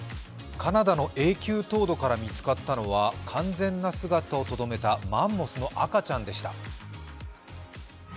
カナダの永久凍土から見つかったのは完全な姿をとどめたマンモスの赤ちゃんでした。